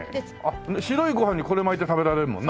白いご飯にこれ巻いて食べられるもんな。